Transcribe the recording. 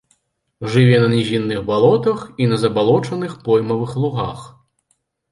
Жыве на нізінных балотах і на забалочаных поймавых лугах.